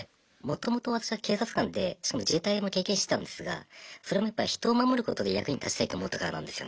もともと私は警察官でしかも自衛隊も経験してたんですがそれもやっぱ人を守ることで役に立ちたいと思ったからなんですよね。